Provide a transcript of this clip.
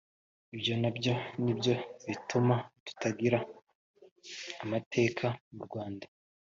ibyo nabyo nibyo bituma tutagira amateka mu Rwanda